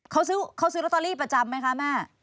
เขาซื้อลอตเตอรี่ประจำไหมคะแม่